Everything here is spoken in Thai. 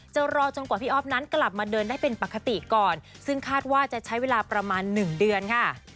รอจนกว่าพี่อ๊อฟนั้นกลับมาเดินได้เป็นปกติก่อนซึ่งคาดว่าจะใช้เวลาประมาณ๑เดือนค่ะ